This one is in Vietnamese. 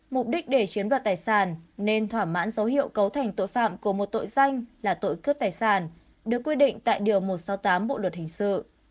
mục đích để chiếm đoạt tài sản nên thỏa mãn dấu hiệu cấu thành tội phạm của một tội danh là tội cướp tài sản được quy định tại điều một trăm sáu mươi tám bộ luật hình sự